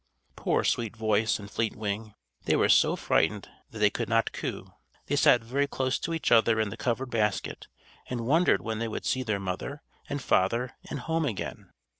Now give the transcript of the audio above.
Poor Sweet Voice, and Fleet Wing! They were so frightened that they could not coo! They sat very close to each other in the covered basket, and wondered when they would see their mother and father and home again.